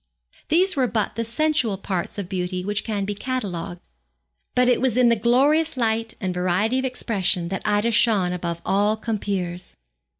These were but the sensual parts of beauty which can be catalogued. But it was in the glorious light and variety of expression that Ida shone above all compeers.